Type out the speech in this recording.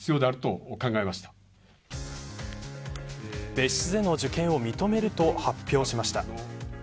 別室での受験を認めると発表しました。